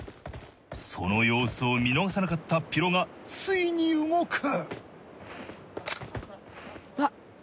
その様子を見逃さなかったｐ１ｒがついに動く。